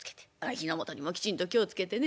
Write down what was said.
火の元にもきちんと気を付けてね。